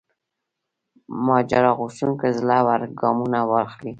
ماجرا غوښتونکو زړه ور ګامونه واخلي.